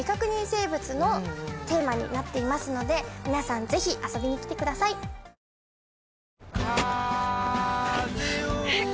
生物のテーマになっていますので皆さんぜひ遊びに来てくださいはぁっ！！